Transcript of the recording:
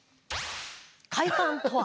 快感とは。